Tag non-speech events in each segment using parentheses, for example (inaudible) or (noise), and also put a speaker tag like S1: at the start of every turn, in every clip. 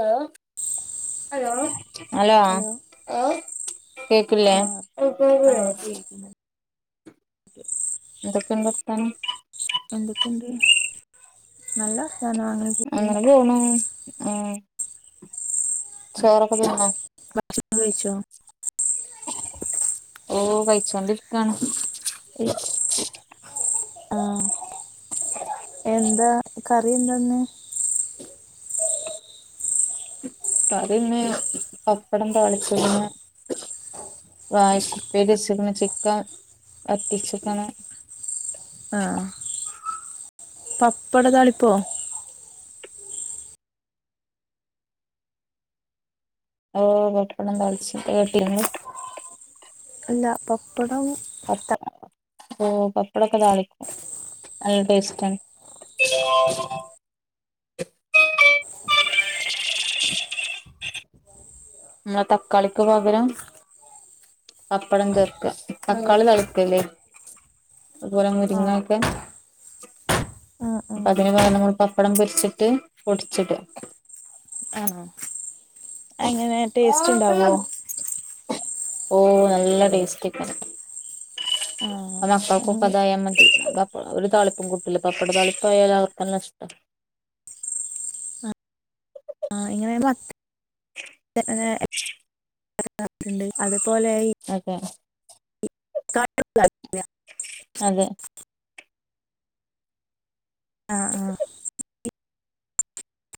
S1: ആ. ലോ. ഹലോ, കേക്കില്ലെ.
S2: ആ ആ ഇപ്പൊ കേൾക്കുന്നുണ്ട്
S1: എന്തൊക്കെണ്ട് വർത്താനം.
S2: എന്തൊക്കെയുണ്ട് നല്ല വർത്താനം പോകുന്നു
S1: അങ്ങനെ പോണു, ആ. ചോറൊക്കെ തിന്നോ.
S2: ഭക്ഷണം കഴിച്ചോ.
S1: ഓ കഴിച്ചോണ്ടിരിക്കാണ്.
S2: ആ, എന്താ. കറി എന്താന്ന്.
S1: അതിന്ന് പപ്പടം താളിച്ച്ക്ക്ന്ന്. വാഴക്കുപ്പേരി വെച്ച്ക്ക്ണ് ചിക്കൻ വറ്റിച്ചിക്ക്ണ്.
S2: ആ. പപ്പട താളിപ്പോ.
S1: ഓ പപ്പടം കളിച്ച് കേട്ടീന്ന്
S2: അല്ല പപ്പടം
S1: പപ്പടാണ് ഓ പപ്പടൊക്കെ താളി നല്ല ടേസ്റ്റാണ് നമ്മള് തക്കാളിക്ക് പകരം പപ്പടം ചേർക്ക തക്കാളി തളിക്കല്ലേ
S2: ആ
S1: അതുപോലെങ്ങരിങ്ങൊക്കെ
S2: ഉം ഉം
S1: അപ്പം അതിന് പകരം നമ്മൾ പപ്പടം പൊരിച്ചിട്ട് പൊടിച്ചിട്ക
S2: ആ എങ്ങനെ ടേസ്റ്റ് ഉണ്ടാവോ
S1: ഓ നല്ല ടേസ്റ്റി (unintelligible)
S2: ആ
S1: മക്കക്കും ഇപ്പം
S2: അങ്ങ-
S1: അതായ മതി (unintelligible) അവര് താളിപ്പും കൂട്ടൂല്ല പപ്പട താളിപ്പായാൽ അവർക്കും നഷ്ടാ
S2: അ ആ ഇങ്ങനെ (inaudible) (unintelligible) ഇണ്ട് അത്
S1: അതെ
S2: (inaudible)
S1: അതെ
S2: ആ ആ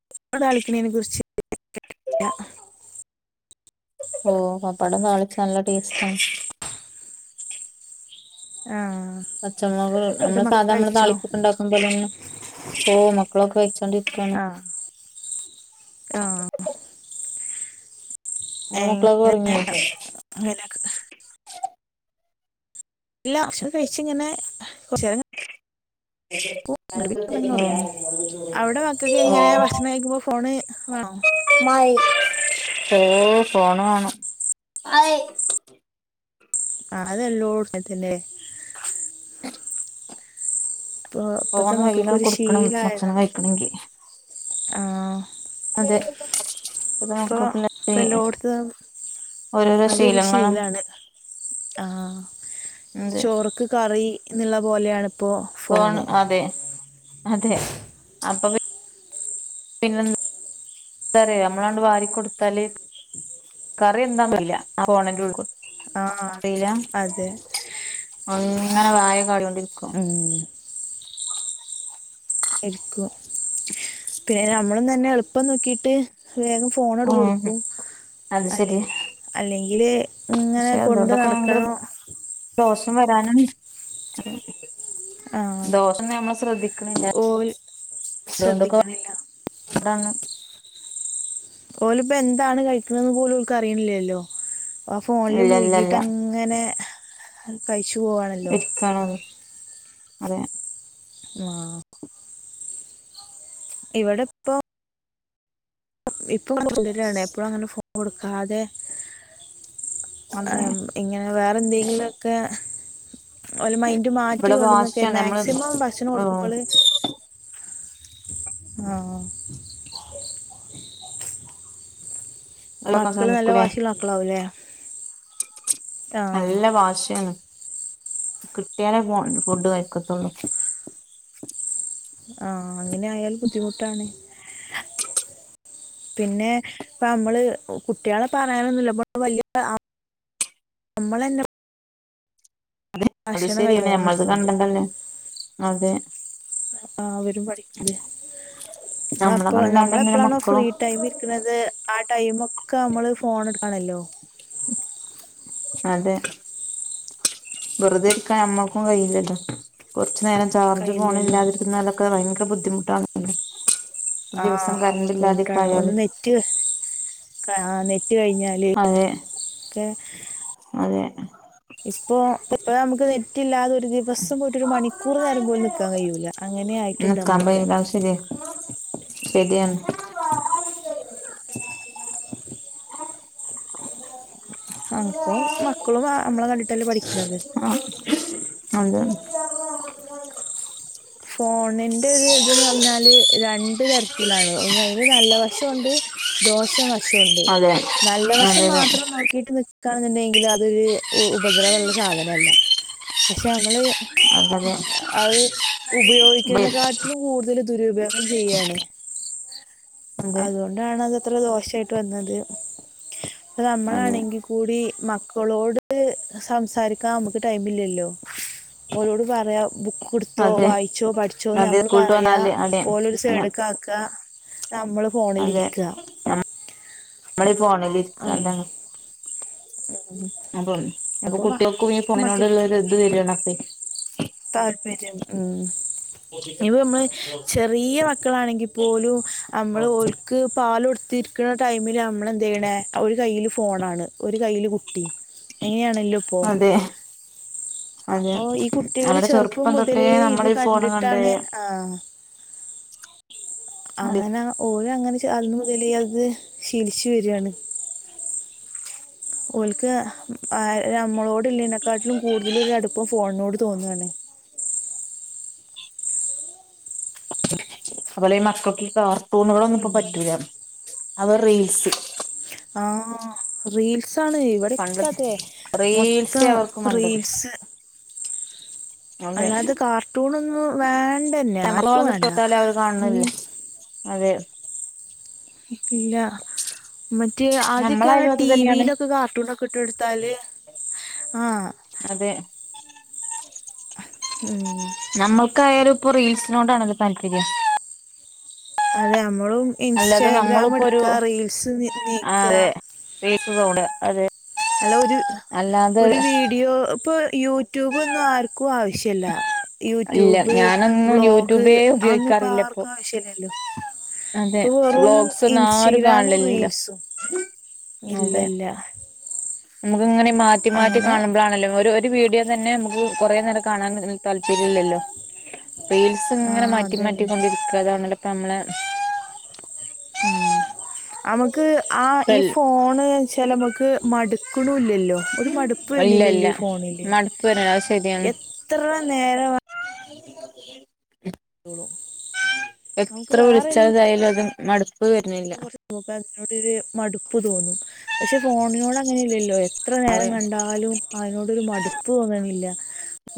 S2: (unintelligible) കളിക്കണേന കുറിച്ച് (inaudible)
S1: ഓ പപ്പടം താളിച്ച നല്ല ടേസ്റ്റാണ്
S2: ആ
S1: പച്ചമുളക്
S2: എന്നിട്ട്
S1: നമ്മള് സാധാ
S2: മക്കള്
S1: നമ്മള്
S2: കഴിച്ചോ
S1: താളിപ്പൊക്കെ ഉണ്ടാക്കും പോലെ തന്നെ പോ മക്കളൊക്കേ (unintelligible) നിക്കാണ്
S2: ആ ആ
S1: ഇങ്ങള മക്കളൊക്കെ ഉറങ്ങിയോ അല്ലേ
S2: എങ്ങനെ ഇല്ല ഭക്ഷണം കഴിച്ച് ഇങ്ങനെ കുറച്ച് നേരം കിടക്കും
S1: (inaudible)
S2: എന്നിട്ട് പിന്നെ പകല് അങ്ങനെ ഉറങ്ങും അവിടെ മക്കൾക്ക് എങ്ങനെ ഭക്ഷണം കഴിക്കുമ്പോ ഫോണ് വേണോ
S1: മൈ ഓ ഫോണാണ് ഐ
S2: ആ അതെല്ലോ (unintelligible) ഇപ്പോ ഇപ്പഴ്ത്ത
S1: ഫോണ് കയ്യിലാണ്ട്
S2: മക്കക്കൊരു
S1: കൊടുക്കണം ഭക്ഷണം
S2: ശീലായതാണ്
S1: കഴിക്കണെങ്കി
S2: ആഹ്
S1: (inaudible)
S2: അപ്പൊ ഇപ്പോ എല്ലോട്ത്തും
S1: ഓരോരോ
S2: അതൊരു
S1: ശീലങ്ങളാണ്
S2: ശീലാണ് ആഹ്
S1: അതെ
S2: ചോറ്ക്ക് കറി എന്നുള്ള പോലെയണിപ്പോ
S1: ഫോൺ
S2: ഫോണ്
S1: അതെ അതെ അപ്പം പിന്നെ (unintelligible) നമ്മളാണ്ട് വാരി കൊടുത്താല് കറി എന്താന്നല്ല ഫോണിന്റെ
S2: ആ
S1: (inaudible)
S2: അതെ
S1: തെയ്ലാ
S2: അതെ
S1: അങ്ങനെ വായ (unintelligible)
S2: ഉം എക്കും പിന്നെ നമ്മളും തന്നെ എളുപ്പം നോക്കിട്ട് വേഗം ഫോണോടു
S1: ഉം
S2: കൊടുക്കും
S1: അത്
S2: അല്ലേ
S1: ശരിയാ
S2: അല്ലെങ്കില് ഇങ്ങനെ
S1: പക്ഷെ
S2: കൊണ്ട് നടക്കണോ
S1: (unintelligible) വരാനാണ് (unintelligible)
S2: ആഹ്
S1: ദോഷൊന്നും നമ്മള് ശ്രദ്ധിക്കണില്ല
S2: ഓല്
S1: അതുകൊണ്ടൊക്കെ
S2: ശ്രദ്ധിക്കണില്ല
S1: പാടാണ്
S2: ഓല് ഇപ്പം എന്താണ് കഴിക്കണ്ന്ന് പോലും അവർക്ക് അറിയുണില്ലേല്ലോ ആ ഫോണില്
S1: ഇല്ല ഇല്ല
S2: മുഴുകിട്ട്
S1: ഇല്ല
S2: അങ്ങനെ കഴിച്ചു പോവാണല്ലോ
S1: എരിക്കണ്ന്ന് അതെ
S2: ആ ഇവിടെ ഇപ്പൊ ഇപ്പം (inaudible) എപ്പഴും അങ്ങനെ ഫോൺ കൊടുക്കാതെ
S1: അതെ
S2: ആം ഇങ്ങനെ വേറെ എന്തെങ്കീലും ഒക്കെ അല മൈൻന്റ് മാറ്റി
S1: ഇവിടെ
S2: കൊണ്ടന്നൊക്കെ
S1: വാശിയാണ് നമ്മള്
S2: മാക്സിമം ഭക്ഷണം
S1: ഉം
S2: കൊടുക്കുമ്പള് ആ
S1: ഇളക്കാൻ
S2: മക്കള് നല്ല
S1: ശ്രമിക്കൂലേ
S2: വാഷിള്ള മക്കളാവൂല്ലേ
S1: നല്ല വാശിയാണ് കിട്ടിയാലേ ഫുഡ് വാരികൊടുത്തോളും
S2: ആ അങ്ങനെ ആയാാൽ ബുദ്ധിമുട്ടാണ്
S1: (inaudible)
S2: പിന്നെ ഇപ്പ നമ്മള് കുട്ടികളെ പറയാനൊന്നുമില്ലപ്പ വലിയ നമ്മളെന്നെ
S1: അത്
S2: ഭക്ഷണം കഴി
S1: ശരിയാണ്
S2: ഫോൺ
S1: ഞമ്മളത്
S2: എടുത്തുണ്ട്
S1: കണ്ടണ്ടല്ലേ അതെ
S2: ആ വരും പഠിക്കണ് അത്
S1: നമ്മളെ
S2: അപ്പോ
S1: കണ്ടാണ്ടന്നല്ലെ
S2: നമ്മളെപ്പോഴാണോ
S1: മക്കളും
S2: ഫ്രീ ടൈം ഇരിക്കുന്നത് ആ ടൈമ ഒക്കെ നമ്മള് ഫോൺ എടുക്കണല്ലോ
S1: അതെ വെറുതെ ഇരിക്കാൻ നമ്മുക്കും കഴയില്ലല്ലോ കുറച്ചു നേരം ചാർജ് പോണ
S2: കയ്യിലല്ലോ
S1: ഇല്ലാതിരിക്കുന്നലൊക്കെ ഭ ബുദ്ധിമുട്ട ആ
S2: ആ
S1: ദിവസം കരണ്ടില്ലാതക്ക
S2: ബുദ്ധിമുട്ടാണ് ഒന്ന്
S1: ആായല്
S2: നെറ്റ് ആ കഴിഞ്ഞാല് ഒക്കെ
S1: അതെ
S2: ഇപ്പോ ഇ നമുക്ക് നെറ്റില്ലാത ഒരു ദിവസം പോയിട്ട് ഒരു മണിക്കൂർ നേരം പോല നക്കാൻ കഴിയൂല അങ്ങനെ ആയിട്ട്ണ്ട് നമ്മളൊക്കെ
S1: ശെരിയാണ്
S2: അപ്പൊ മക്കളും നമ്മളെ കണ്ടിട്ടല്ലേ പഠിക്കണത്
S1: (inaudible) ആ അതെ
S2: ഫോണിന്റെ ഒരു ഇത്‌ പറഞ്ഞാല് രണ്ട തരത്തിലാണ് ഒന്ന് അതിന് നല്ല വശംണ്ട് ദോഷം വശംണ്ട്
S1: അതെ
S2: നല്ല വശം
S1: അതെതെ
S2: മാത്രം നോക്കിട്ട് കാണുന്നുണ്ടെങ്കിൽ അതൊരു ഉപദ്രവമള്ള സാധനല്ല പക്ഷെ നമ്മള്-
S1: അതെ
S2: അത് ഉപയോഗിക്കതിനെ കാട്ടിലും കൂടുതൽ ദുരുപയോഗം ചെയ്യണ-
S1: അതെ
S2: അതുകൊണ്ടാണ് അത്‌ ദോഷായിട്ട് വന്നത് അപ്പ
S1: അതെ
S2: നമ്മളാണെങ്കിൽ കൂടി- മക്കളോട് സംസാരിക്കാൻ നമുക്ക് ടൈം ഇല്ലല്ലോ
S1: (inaudible)
S2: ഓനോട് പറയാ ബുക്ക് കൊടുത്തോ
S1: അതെ
S2: വായിച്ചോ പഠിച്ചോന്ന്
S1: അതെ
S2: നമ്മൾ
S1: സ്കൂൾട്ട്
S2: പറയാ
S1: വന്നാല് അതെ
S2: ഓലൊരു സൈഡക്കെ- (unintelligible) നമ്മള്
S1: അതെ
S2: ഫോണിലിരിക്കുക
S1: ഫോണില് കണ്ടതാ അപ്പൊ അപ്പൊ കുട്ടികൾക്കു
S2: മക്കൾക്ക്
S1: ഫോണിനോടുള്ള ഇത്‌ വരുവല്ലോ അപ്പ-
S2: താല്പര്യം ഉം
S1: ഒഫ (unintelligible)
S2: ഇവ നമ്മൾ ചെറിയ മക്കളാണെങ്കിൽ പോലും നമ്മൾ ഓൾക്ക് പാല് കൊടുത്ത്- തിരിക്കണ ടൈമില് നമ്മള എന്ത ചെയ്യണ ഒരു കയ്യില് ഫോണാണ് ഒരു കൈയില് കുട്ടി- എങ്ങനെയാണല്ലോ ഇപ്പൊ-
S1: അതെ അതെ അവിടെ ചെറുപ്പം തൊട്ടേ
S2: മുതലേ
S1: നമ്മള
S2: ഇത്
S1: ഈ ഫോണ് കണ്ടേ
S2: കണ്ടിട്ടാണ്
S1: (inaudible)
S2: ആഹ് അങ്ങനെ ഓര അങ്ങനെ അന്ന് മുതലേ അത് ശീലിച്ചു വരുയാണ് ഓൾക്ക് നമ്മളോട ഇല്ലനെക്കാട്ടിലും കൂടുതല അടുപ്പം ഫോണിനോട് തോന്നുവാണ്
S1: അതുപോലെ ഈ മക്കൾക്ക് കാർട്ടുണ് ഇവിടെ ഒന്നും ഇപ്പോ പറ്റൂല അവർ റീൽസ്-
S2: ആ റീൽസ് അതാണ്
S1: പണ്ട്
S2: ഇവിടെക്കെ അതെ
S1: റീൽസേ
S2: മൊത്തം
S1: അവർക്ക് മണ്ടത്
S2: റീൽസ്-
S1: അതെ
S2: അല്ലാതെ കാർട്ടൂണൊന്നും വേണ്ടന്നെ ആർക്കും
S1: (unintelligible)
S2: വേണ്ട
S1: ഇട്ടൊട്ത്താല് അത്കാണ് ണില്ല
S2: ഉം
S1: അതെ
S2: ഇല്ല മറ്റേ ആദിയമൊക്കെ
S1: നമ്മളായാലും അത് തന്നെയാണ്
S2: ടിവിയിലൊക്കെ കാർട്ടൂണാക്കെ ഇട്ടുകൊടുത്താല് ആ
S1: അതെ
S2: ഉം
S1: നമ്മൾക്കായാലും ഇപ്പൊ റീൽസിനോടാണല്ലോ താല്പര്യം
S2: അതെ നമ്മളും
S1: അല്ലാതെ
S2: ഇൻസ്റ്റാഗ്രാം
S1: നമ്മളിപ്പോ ഒരു
S2: എടുക്കുക റീൽസ് നീക്കുക
S1: റോഡാ അതേ
S2: അല്ല ഒരു ഒരു വീഡിയോ ഇപ്പൊ യൂ- യൂട്യൂബൊന്നും ആർക്കും ആവശ്യല്ല
S1: ഇല്ല
S2: യൂട്യൂബ്
S1: ഞാനൊന്നും
S2: വ്ളോഗ്
S1: യൂട്യൂബേ
S2: അന്നും ഇപ്പ
S1: ഉപയോഗിക്കാറില്ല ഇപ്പൊ
S2: ആർക്കും ആവശ്യല്ലല്ലോ
S1: അതെ
S2: ഇപ്പൊ വെറും
S1: വ്ളോഗ്സ് ഒന്നും ആരും
S2: ഇൻസ്റ്റഗ്രാമും
S1: കാണില്ലല്ലോ
S2: റീൽസും- ഇല്ല
S1: അതെ
S2: ഇല്ല
S1: നമുക്ക് ഇങ്ങനെ മാറ്റി മാറ്റി
S2: അങ്ങനെ
S1: കാണുമ്പോൾാണല്ലോ ഒരു ഒരു വീഡിയോ തന്നെ നമുക്ക്- കൊറെ നേരം കാണാൻ താല്പര്യ ഇല്ലല്ലോ റീൽസ് ഇങ്ങനെ
S2: ആഹ്
S1: മാറ്റി മാറ്റി
S2: അതന്നെ
S1: കൊണ്ടിരിക്കുക അതണലോ ഇപ്പൊ നമ്മളെ-
S2: ഉം ആ ക്ക് ആ ഈ ഫോൺ വെച്ചാൽ നമുക്ക് മടുക്ണില്ലല്ലോ ഒരു മടുപ്പ് വര്
S1: ഇല്ല ഇല്ല
S2: നില്ലല്ലോ
S1: മടുപ്പ് വര ശരിയാണ്
S2: നേരവ നമുക്ക്
S1: എത്ര മടുപ്പ് വരുന്നില്ല
S2: കുറച് പോക അതിനോടരു മടുപ്പ് തോന്നും പക്ഷെ ഫോണി
S1: അത്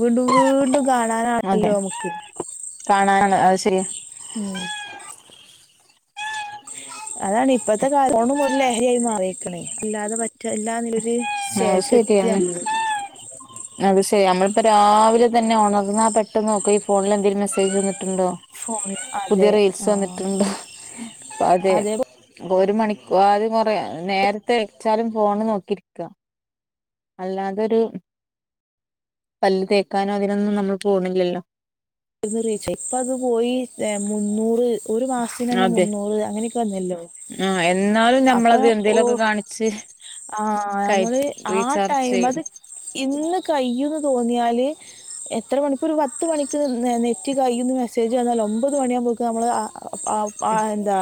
S2: വീണ്ടും വീണ്ടുംകാണാനാണല്ലോ മുക്ക്
S1: അഹ് ശരിയാ
S2: ഉം
S1: (unintelligible)
S2: അതാണ് ഇപ്പത്തെ ക (unintelligible) ല്ലേ ലഹരിയായി മാറിക്ണ് അല്ലാതെ പറ്റ്ണ്ല്ലാന്നോരു
S1: അത്
S2: സ്റ്റേക്ക് എത്തി
S1: ശരിയാണ്
S2: നമ്മള്
S1: അത് ശരി നമ്മളിപ്പോ രാവിലെ തന്നെ
S2: ഫോണിൽ
S1: പുതിയ
S2: അതെ
S1: റൈൽസ്
S2: ആ
S1: വന്നിട്ടുണ്ട് അതെ
S2: അതേപോലെ
S1: ഒരു മണിക്കൂ ആദ്യംകൊറെ നേരത്തെ വേച്ചാലും ഫോണ് നോക്കിയിരിക്ക അല്ലാതെരു പല്ല് തേക്കാനോ അതിനൊന്നും നമ്മൾ പോണില്ലല്ലോ
S2: ഒന്ന് റീചായി ഇപ്പ അത് പോയി മുന്നൂറ് ഒരു മാസത്തിന് തന്നെ
S1: അതെ
S2: മുന്നൂറ് അങ്ങനെയൊക്കെ വന്നല്ലോ
S1: ആ എന്നാലും നമ്മളത് എന്തെ ലൊക്കെ കാണിച്ച്
S2: ആ
S1: കയ
S2: നമ്മള് ആ
S1: റീചാർജ്
S2: ടൈം
S1: ചെയ്യും
S2: അത് ഇന്ന് കഴിയുംന്ന് ന്യാല് എത്ര മണിക്കൂർ പത്ത് മണി ത്ത് നെറ്റ് കയ്യുംന്ന് മെസ്സേജ് വന്നാൽ ഒമ്പത് മണിയകുമ്പക്ക് നമ്മൾ ആ ആ എന്താ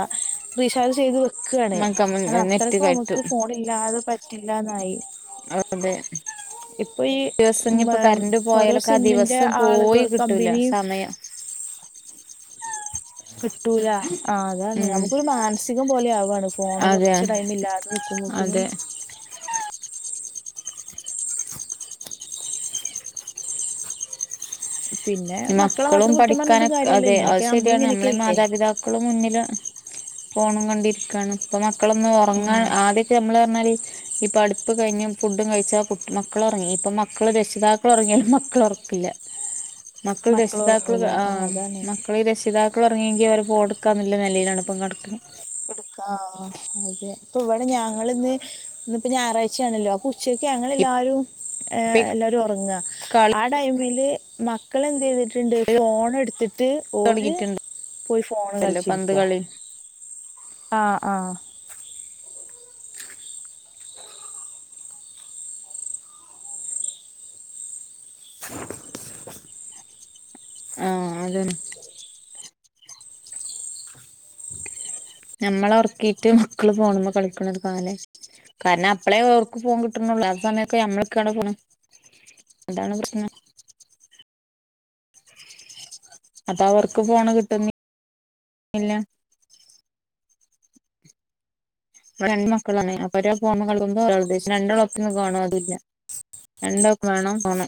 S2: റീചാർജ് ചെയ്ത് വെക്കാണ് അത്
S1: നെറ്റ്
S2: അത്രയ്ക്ക് നമുക്ക്
S1: കയറ്റും
S2: ഫോൺ ഇല്ലാതെ പറ്റില്ലന്നായി
S1: അതെ ദിവസം ഞ്ഞ്
S2: മ
S1: പ്പോ കരന്റ്
S2: ഓരോ
S1: പോയാലൊക്കെ ആ
S2: സിമ്മിന്റെ
S1: ദിവസം പോയി
S2: ആളുകൾ
S1: കിട്ടൂല
S2: കമ്പനിയും
S1: സമയം (unintelligible)
S2: കിട്ടൂല ആ അതാണ്
S1: ഉം
S2: നമുക്കൊരു മാനസികം പോലെ ആവാണ് ഫോണ്
S1: അതെ
S2: കുറച്ച് ടൈം ഇല്ലാതെ നികു
S1: അതെ
S2: പിന്നെ മക്കളെ
S1: മക്കളും
S2: മാത്രം കുറ്റം പറഞ്ഞിട്ടും
S1: പഠിക്കാനൊക്കെ
S2: കാര്യല്ല
S1: അതെ അത്
S2: ഇങ്ങനെയൊക്കെ നമ്മളും
S1: ശരിയാണ്
S2: ഇങ്ങനെയൊക്കെ
S1: നമ്മളെ
S2: ഇല്ലേ
S1: മാതാപിതാക്കളും മുന്ന ന്ന് ഫോണും കണ്ടിരിക്കാണ് ഇപ്പ മക്കളൊന്ന് ഉറങ്ങാൻ
S2: ഉം
S1: ആദ്യൊക്കെ നമ്മള് പറഞ്ഞാല് ഇ പഠിപ്പ് കഴ്ഞ്ഞും ഫുഡും കഴിച്ചാൽ കുട്ടി മക്കൾ ഉറങ്ങി ഇപ്പൾ മക്കൾ രക്ഷിതാക്കൾ ഉറങ്ങിയാലും മക്കള ഉറക്കില്ല മക്കൾ രക്ഷിതാക്കൾ
S2: മക്കളൊറങ്ങൂല
S1: ആ
S2: അതാണ്
S1: മക്കള രക്ഷിതാക്കൾ ഒരങ്ങിയെങ്കിൽ ഒലെ ഫോൺ എടുക്കാംന്ന നിലയിലാണ് ഇപ്പ കടക്കുന്നത്
S2: എടുക്കാ ആ അതെ അപ്പ ഇവിടെ ഞങ്ങ ഇന്ന് ഇിപ്പോ ഞായറാഴ്ചയാണല്ലോ അപ്പ ഉച്ചക്ക് ഞങ്ങ എല്ലാവാരും ഹെ
S1: ഇപ്പ ഈ
S2: എല്ലരും ഉറങ്ങുക
S1: കളി
S2: ആ ടൈം മിൽ മക്കളെന്ദേ ചെയ്തിട്ടുണ്ട് ഫോൺ എടുത്തിട്ട് ട്ട് ഓര്
S1: തുടങ്ങിയിട്ടുണ്ടല്ലോ
S2: പോയി ഫോൺ
S1: പന്ത്
S2: കളിച്ചരുരിക്ക
S1: കളി
S2: ആ ആ (unintelligible)
S1: ആ അതെ ഞമ്മളെ ഉറക്കിയിട്ട് മക്കള് പോണ്മേ കളിക്കണ ഒരു ക്കാലെ കാരണം അപ്പളേ ഓർക്ക് പോകൻ കിട്ടണള്ളൂ അ സമയക്കെ നമ്മൊക്കെയാണ് ഫോൺ അതാണ് പ്രശ്നം അത അവർക്ക് ഫോണ് കിട്ടുന്നി ന്നില്ല പ്പ രണ്ട് മക്കളാണ് അപ്പൊ ഒരാൾ ഫോണിമേ കാണുമ്പോ ഒരാൾ ദേഷ്യം രണ്ടാൾ ഒപ്പംഇരുന്ന് കാണോ അതുല്ല രണ്ടോക്ക് വേണം ഫോൺ